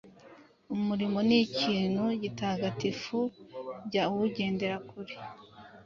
Umurimo ni ikintu gitagatifu jya uwugendera kure